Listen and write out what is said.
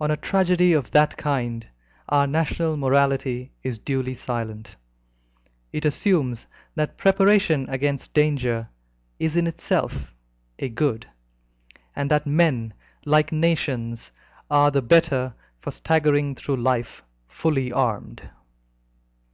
On a tragedy of that kind our national morality is duly silent. It assumes that preparation against danger is in itself a good, and that men, like nations, are the better for staggering through life fully armed.